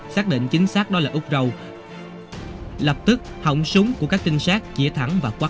xác định chính xác đó là đồng chí ba